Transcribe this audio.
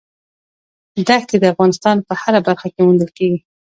دښتې د افغانستان په هره برخه کې موندل کېږي.